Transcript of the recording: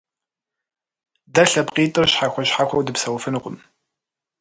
Дэ лъэпкъитӀыр щхьэхуэ-щхьэхуэу дыпсэуфынукъым.